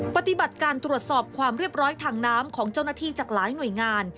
ปฏิบัติการตรวจสอบความเรียบร้อยทางน้ำของเจ้าหน้าที่จากหลายหน่วยงาน